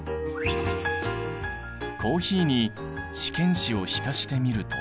コーヒーに試験紙を浸してみると。